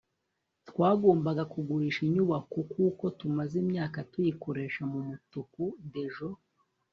twagombaga kugurisha inyubako kuko tumaze imyaka tuyikoresha mumutuku. (dejo